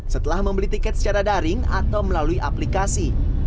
setelah membeli tiket secara daring atau melalui aplikasi